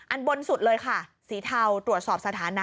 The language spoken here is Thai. บนสุดเลยค่ะสีเทาตรวจสอบสถานะ